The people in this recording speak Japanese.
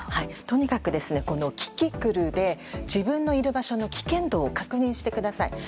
とにかくキキクルで自分のいる場所の危険度を確認してください。